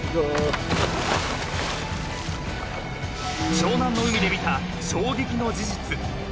［湘南の海で見た衝撃の事実］